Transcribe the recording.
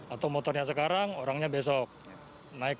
atau motornya sekarang orangnya besok naik